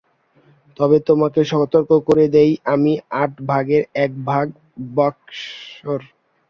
তবে তোমাকে সতর্ক করে দেই, আমি আট ভাগের এক ভাগ বক্সার।